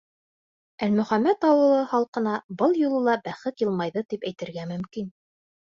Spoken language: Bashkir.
Әлмөхәмәт ауылы халҡына был юлы ла бәхет йылмайҙы, тип әйтергә мөмкин.